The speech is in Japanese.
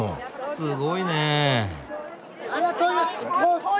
すごいね。